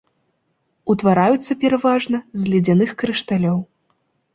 Утвараюцца пераважна з ледзяных крышталёў.